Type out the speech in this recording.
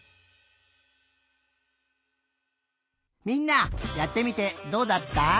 みんなやってみてどうだった？